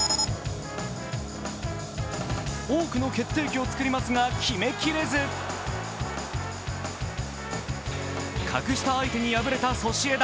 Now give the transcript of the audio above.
多くの決定機を作りますが、決めきれず格下相手に敗れたソシエダ。